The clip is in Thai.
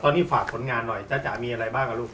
ตอนนี้ฝากผลงานหน่อยจ้าจ๋ามีอะไรบ้างอ่ะลูก